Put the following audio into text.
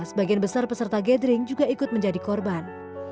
sebagian besar peserta gathering juga ikut menjadi korban